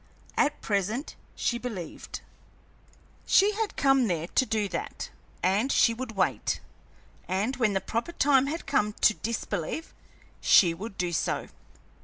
At present she believed; she had come there to do that, and she would wait, and when the proper time had come to disbelieve she would do so.